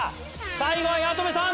最後は八乙女さん。